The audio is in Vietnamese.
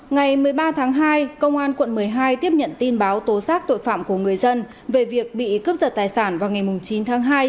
ngày một mươi ba tháng hai công an quận một mươi hai tiếp nhận tin báo tố xác tội phạm của người dân về việc bị cướp giật tài sản vào ngày chín tháng hai